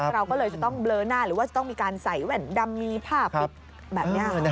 เราก็เลยจะต้องเบลอหน้าหรือว่าจะต้องมีการใส่แว่นดำมีผ้าปิดแบบนี้